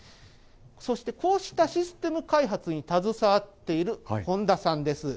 そしてこうしたシステム開発に携わっている本多さんです。